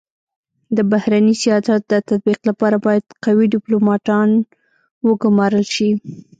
د بهرني سیاست د تطبیق لپاره بايد قوي ډيپلوماتان و ګمارل سي.